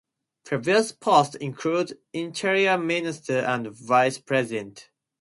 Previous posts include Interior Minister and Vice President.